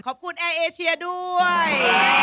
ขอบคุณแอร์เอเชียด้วย